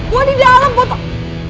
gue di dalam botol